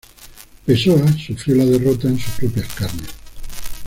Pessoa sufrió la derrota en sus propias carnes.